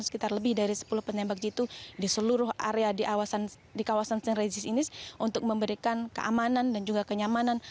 sekitar lebih dari sepuluh penembak jitu di seluruh area di kawasan st regis ini untuk memberikan keamanan dan juga kenyamanan